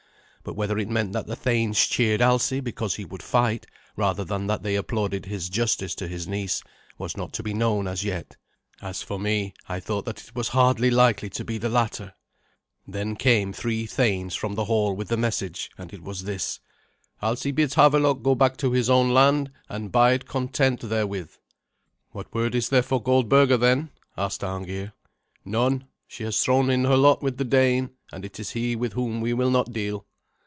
But whether it meant that the thanes cheered Alsi because he would fight, rather than that they applauded his justice to his niece, was not to be known as yet. As for me, I thought that it was hardly likely to be the latter. Then came three thanes from the hail with the message, and it was this, "Alsi bids Havelok go back to his own land and bide content therewith." "What word is there for Goldberga, then?" asked Arngeir. "None. She has thrown in her lot with the Dane, and it is he with whom we will not deal."